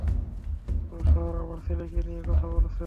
পুরো শহর আমার ছেলেকে নিয়ে কথা বলছে।